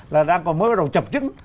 là đang còn mới bắt đầu chập chức